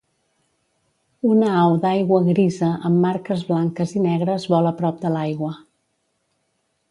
Una au d'aigua grisa amb marques blanques i negres vola prop de l'aigua.